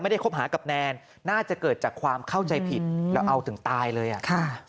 คบหากับแนนน่าจะเกิดจากความเข้าใจผิดแล้วเอาถึงตายเลยอ่ะค่ะ